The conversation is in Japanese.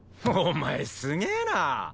お前すげえな！